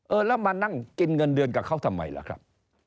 แล้วมานั่งกินเงินเดือนกับเขาทำไมล่ะครับ